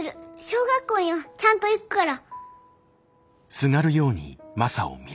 小学校にはちゃんと行くから。